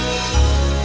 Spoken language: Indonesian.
uang buat apa tante